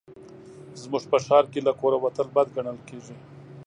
زموږ په ښار کې له کوره وتل بد ګڼل کېږي